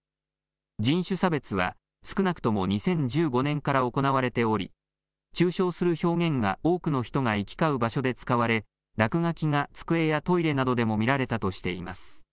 人種差別は少なくとも２０１５年から行われており中傷する表現が多くの人が行き交う場所で使われ落書きが机やトイレなどでも見られたとしています。